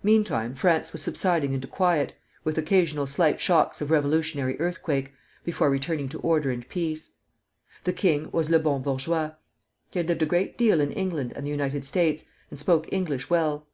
Meantime France was subsiding into quiet, with occasional slight shocks of revolutionary earthquake, before returning to order and peace. The king was le bon bourgeois. He had lived a great deal in England and the United States, and spoke English well.